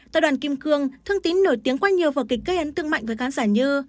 tại đoàn kim cương thương tín nổi tiếng quá nhiều vào kịch gây ấn tương mạnh với cán giả như